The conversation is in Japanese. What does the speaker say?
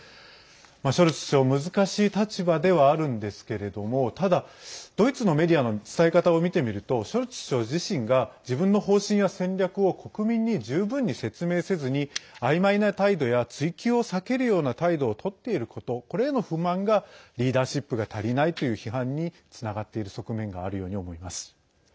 ショルツ首相、難しい立場ではあるんですけれどもただ、ドイツのメディアの伝え方を見てみるとショルツ首相自身が自分の方針や戦略を国民に十分に説明せずにあいまいな態度や追及を避けるような態度をとっていることこれへの不満がリーダーシップが足りないという批判につながっている側面があるように思います。